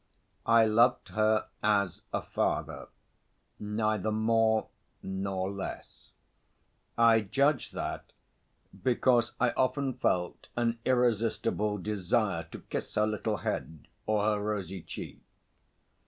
I loved her as a father, neither more nor less. I judge that because I often felt an irresistible desire to kiss her little head or her rosy cheek.